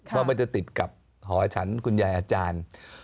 ว่ามันจะติดกับหอฉันคุณยายอาจารย์